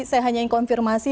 saya hanya ingin konfirmasi